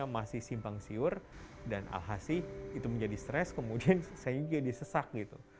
saya masih simpang siur dan alhasi itu menjadi stres kemudian saya juga disesak gitu